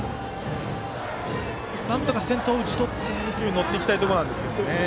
なんとか先頭を打ち取って勢いに乗っていきたいところ。